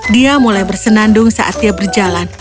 dia mulai bersenandung saat dia berjalan